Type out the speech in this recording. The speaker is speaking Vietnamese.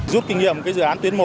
giúp kinh nghiệm cái dự án tuyến một